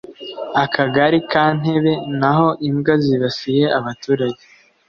Akagali ka Ntebe naho imbwa zibasiye abaturage